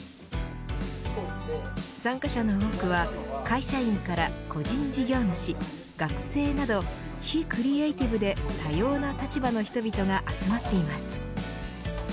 参加者の多くは、会社員から個人事業主学生など、非クリエイティブで多様な立場の人々が集まっています。